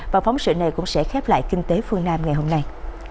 và phóng sự này cũng sẽ khép lại kinh tế phương nam ngày hôm nay